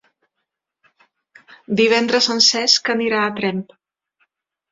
Divendres en Cesc anirà a Tremp.